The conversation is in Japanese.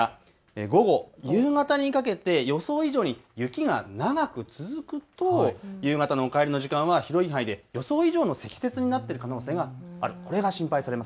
午後、夕方にかけて予想以上に雪が長く続くと夕方のお帰りの時間は広い範囲で予想以上の積雪になっている可能性がある、これが心配されます。